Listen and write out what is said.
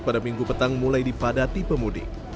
pada minggu petang mulai dipadati pemudik